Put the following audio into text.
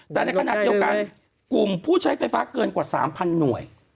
แต่ในขณะเดียวกันกลุ่มผู้ใช้ไฟฟ้าเกินกว่า๓๐๐หน่วย